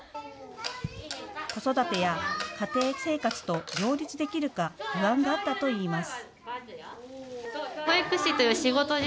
子育てや家庭生活と両立できるか不安があったといいます。